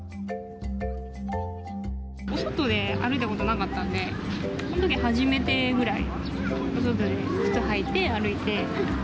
お外で歩いたことなかったんで、このとき初めてぐらい、お外で靴履いて歩いて。